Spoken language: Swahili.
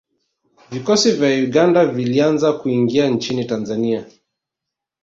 Vikosi vya Uganda vilianza kuingia nchini Tanzania